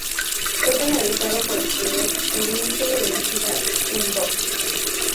Fue penalizado por exceder el límite de velocidad en boxes.